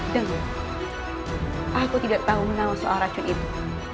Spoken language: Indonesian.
dengar aku tidak tahu menang soal racun itu